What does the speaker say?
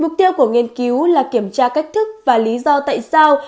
mục tiêu của nghiên cứu là kiểm tra cách thức và lý do tại sao